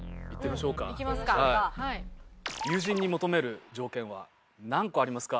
友人に求める条件は何個ありますか？